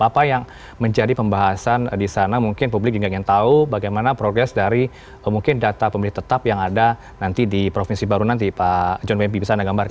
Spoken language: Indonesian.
apa yang menjadi pembahasan di sana mungkin publik juga ingin tahu bagaimana progres dari mungkin data pemilih tetap yang ada nanti di provinsi baru nanti pak john wempi bisa anda gambarkan